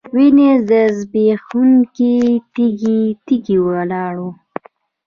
وینې ځبېښونکي تږي، تږي ولاړ